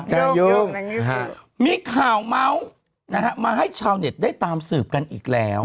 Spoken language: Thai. เจอยุ่งมีข่าวเมาส์นะฮะมาให้ชาวเน็ตได้ตามสืบกันอีกแล้ว